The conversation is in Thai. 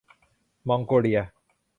มองโกเลีย